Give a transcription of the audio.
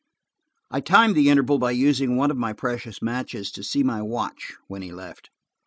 I timed the interval by using one of my precious matches to see my watch when he left.